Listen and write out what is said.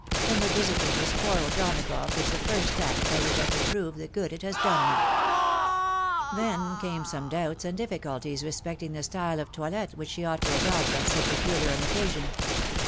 and the visiting thfe poor O'Donagough is the first act by which I can prove the good it has done me I " Then came some doubts and difficulties respecting the style of toilet which she ought to adopt on so peculiar an occasion.